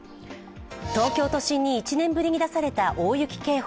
東京都心に１年ぶりに出された大雪警報。